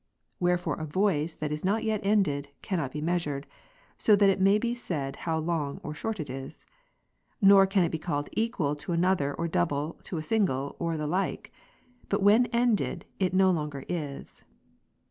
Wherefore, a voice that is not yet ended, cannot be measured, so that it may be said how long, or short it is ; nor can it be called equal to another, or double to a single, or the like. But when ended, it no longer is.